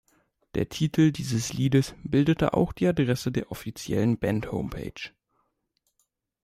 Der Titel dieses Liedes bildet auch die Adresse der offiziellen Bandhomepage.